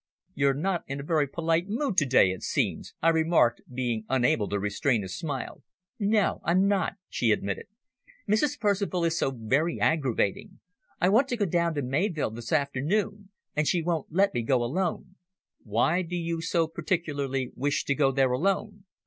"You're not in a very polite mood to day, it seems," I remarked, being unable to restrain a smile. "No, I'm not," she admitted. "Mrs. Percival is so very aggravating. I want to go down to Mayvill this afternoon, and she won't let me go alone." "Why do you so particularly wish to go there alone?"